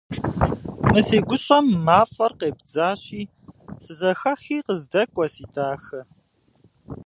Мы си гущӏэм мафӏэр къебдзащи, сызэхэхи къыздэкӏуэ, си дахэ!